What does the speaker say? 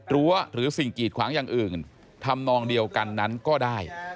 หรือสิ่งกีดขวางอย่างอื่นทำนองเดียวกันนั้นก็ได้